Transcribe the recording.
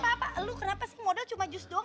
apa apa lo kenapa sih modal cuma jus doang